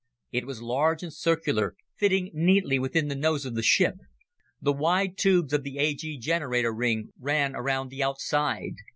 It was large and circular, fitting neatly within the nose of the ship. The wide tubes of the A G generator ring ran around the outside.